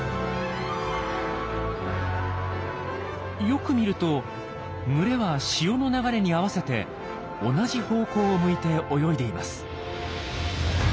よく見ると群れは潮の流れに合わせて同じ方向を向いて泳いでいます。